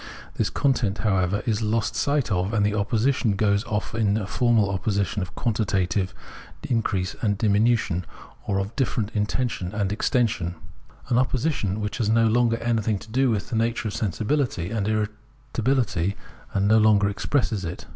This content, however, is lost sight of and the opposition goes off into a formal opposition of quantitative increase and diminution, or of different intension and extension — an opposition which has no longer anything to do with the nature of sensibihty and irritability, and no longer expresses it.